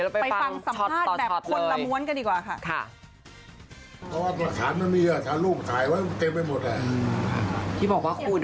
ไปฟังสัมภาษณ์แบบคนละม้วนกันดีกว่าค่ะ